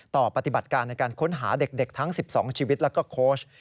ปฏิบัติการในการค้นหาเด็กทั้ง๑๒ชีวิตแล้วก็โค้ช